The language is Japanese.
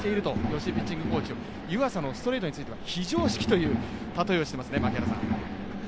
吉井ピッチングコーチは湯浅のストレートに対して非常識というたとえをしていますね。